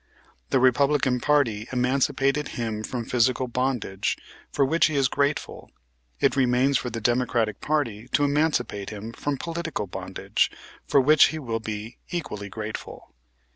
The Republican party emancipated him from physical bondage, for which he is grateful. It remains for the Democratic party to emancipate him from political bondage, for which he will be equally grateful.